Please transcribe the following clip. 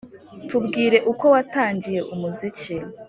Tubwire uko watangiye umuziki.